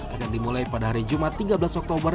akan dimulai pada hari jumat tiga belas oktober